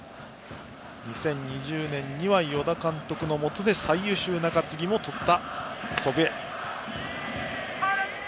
２０２０年には与田監督のもと最優秀中継ぎもとった祖父江です。